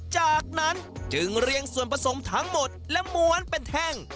จากนั้นจึงเรียงส่วนผสมทั้งหมดและม้วนเป็นแท่ง